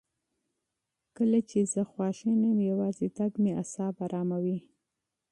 کله چې زه په غوسه یم، یوازې تګ مې اعصاب اراموي.